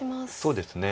そうですね。